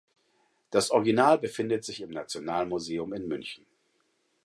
Das Original befindet sich im Nationalmuseum in München.